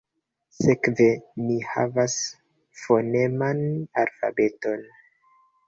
Sekve ni havas foneman alfabeton.